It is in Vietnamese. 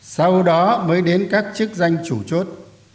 sau đó mới đến các chức danh chủ chốt